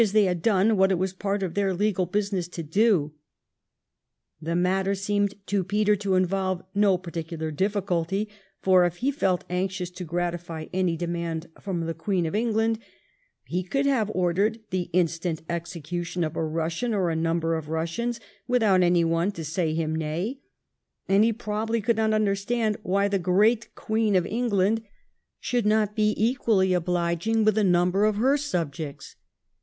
they had done what it was part of their legal business to do ? The matter seemed to Peter to involve no particular difficulty, for if he felt anxious to gratify any demand from the Queen of England, he could have ordered the instant execution of a Eussian or a number of Eussians without anyone to say him nay, and he probably could not understand why the great Queen of England should not be equally obliging with a number of her subjects.